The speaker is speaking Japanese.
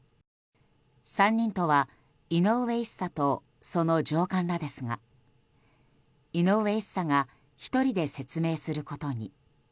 ３人とは井上１佐と、その上官らですが井上１佐が１人で説明することに。